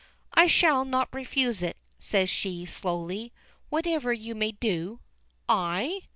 "I shall not refuse it," says she, slowly, "whatever you may do." "I?"